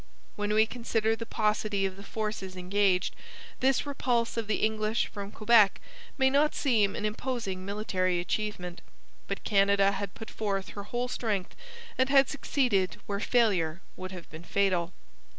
When we consider the paucity of the forces engaged, this repulse of the English from Quebec may not seem an imposing military achievement. But Canada had put forth her whole strength and had succeeded where failure would have been fatal.